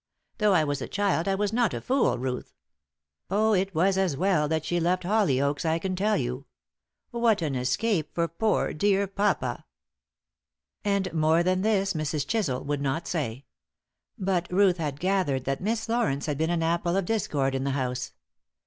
Though I was a child, I was not a fool, Ruth. Oh, it was as well that she left Hollyoaks, I can tell you. What an escape for poor, dear papa!" And more than this Mrs. Chisel would not say. But Ruth had gathered that Miss Laurence had been an apple of discord in the house.